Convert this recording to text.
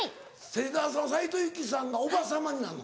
芹澤さんは斉藤由貴さんが叔母様になるの？